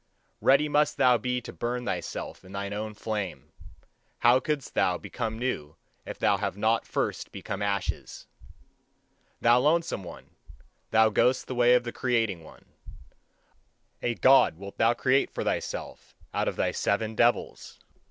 Ready must thou be to burn thyself in thine own flame; how couldst thou become new if thou have not first become ashes! Thou lonesome one, thou goest the way of the creating one: a God wilt thou create for thyself out of thy seven devils!